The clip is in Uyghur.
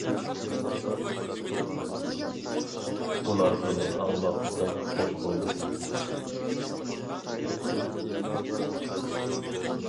ئۇلار بۇنى ئاڭلاپ بەك خوش بولدى.